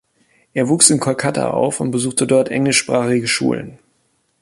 Er wuchs in Kolkata auf und besuchte dort englischsprachige Schulen.